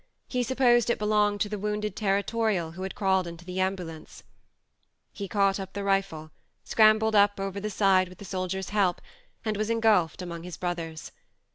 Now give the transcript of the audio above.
He supposed it belonged to the wounded territorial who had crawled into the ambulance. He caught up the rifle, scrambled 120 THE MARNE up over the side with the soldier's help, and was engulfed among his brothers.